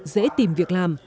dễ tìm việc làm